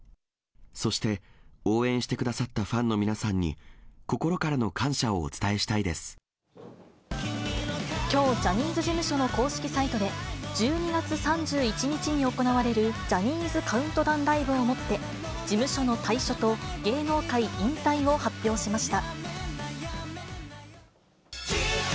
そして、応援してくださったファンの皆さんに、心からの感謝をおきょう、ジャニーズ事務所の公式サイトで、１２月３１日に行われるジャニーズカウントダウンライブをもって、事務所の退所と芸能界引退を発表しました。